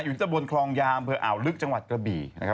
อยู่ที่ตะบนคลองยามเผื่ออ่าวลึกจังหวัดกะบีนะครับ